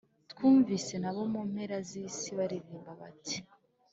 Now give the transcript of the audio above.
Twumvise n’abo mu mpera z’isi baririmba bati